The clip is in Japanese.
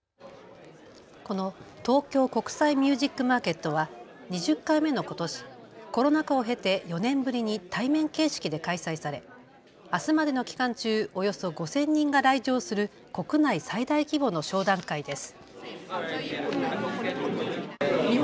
この東京国際ミュージック・マーケットは２０回目のことし、コロナ禍を経て４年ぶりに対面形式で開催されあすまでの期間中、およそ５０００人が来場する国内最大規模の商談会です。